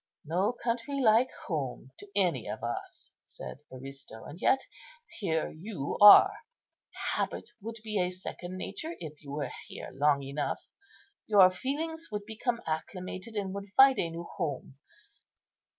"No country like home to any of us," said Aristo; "yet here you are. Habit would be a second nature if you were here long enough; your feelings would become acclimated, and would find a new home.